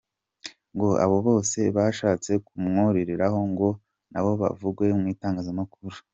Ngo abo bose bashatse kumwuririraho ngo nabo bavugwe mu itangazamakuru.